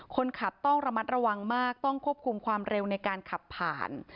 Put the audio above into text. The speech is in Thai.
คนขับต้องระมัดระวังมากต้องควบคุมความเร็วในการขับผ่าน